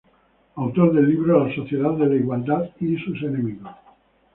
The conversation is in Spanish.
Autor del libro "La Sociedad de la Igualdad i sus enemigos".